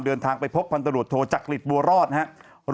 เนี่ยนะใครชื่อชมพู่มีแปลชื่อโอม